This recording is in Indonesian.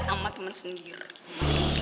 si tega sama temen sendiri